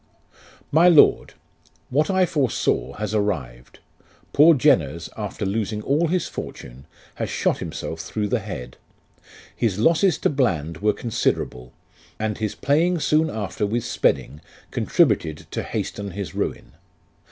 '' MY LORD : What I foresaw has arrived ; poor Jenners, after losing all his fortune, has shot himself through the head. His losses to Bland were considerable, and his playing soon after with Spedding contributed to hasten his ruin.